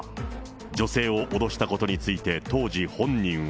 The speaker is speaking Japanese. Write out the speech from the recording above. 女性を脅したことについて当時、本人は。